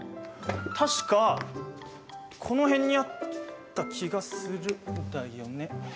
確かこの辺にあった気がするんだよね。